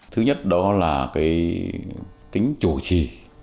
thứ nhất đó là tính chủ trì